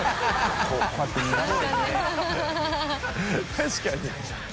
確かに